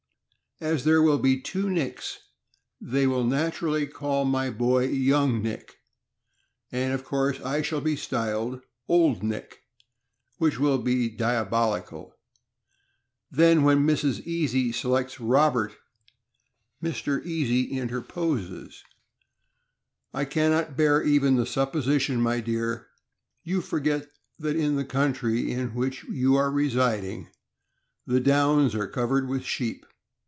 "As there will be two Nicks, they will naturally call my boy Young Nick, and of course I shall be styled Old Nick, which will be diabolical." Then when Mrs. Easy selects Robert, Mr. Easy inter poses : "I can not bear even the supposition, my dear. You forget that in the county in which you are residing the downs are covered with sheep.